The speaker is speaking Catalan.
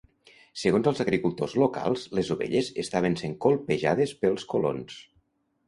Segons els agricultors locals, les ovelles estaven sent colpejades pels colons.